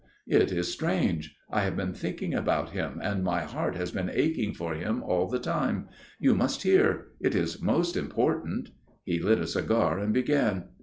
"It is strange. I have been thinking about him and my heart has been aching for him all the time. You must hear. It is most important." He lit a cigar and began.